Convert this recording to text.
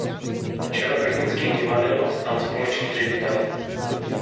V čele Brněnských divadel stál společný ředitel.